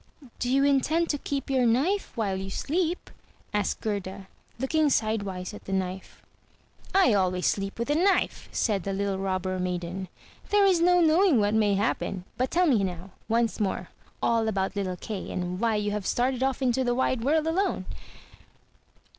"Do you intend to keep your knife while you sleep?" asked Gerda, looking sidewise at the knife. "I always sleep with the knife," said the little Robber maiden; "there is no knowing what may happen. But tell me now, once more, all about little Kay, and why you have started off into the wide world alone."